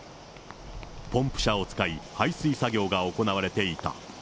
ポンプ車を使い、排水作業が行われていた。